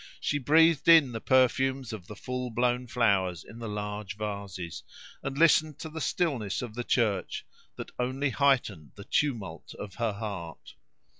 She breathed in the perfumes of the full blown flowers in the large vases, and listened to the stillness of the church, that only heightened the tumult of her heart.